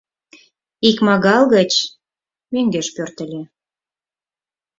Икмагал гыч мӧҥгеш пӧртыльӧ.